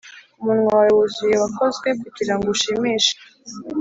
umunwa wawe wuzuye wakozwe kugirango ushimishe